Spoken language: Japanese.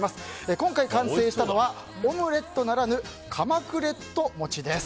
今回完成したのはオムレットならぬかまくレット餅です。